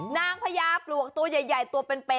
นางพยาปลวกตัวใหญ่ตัวเป็น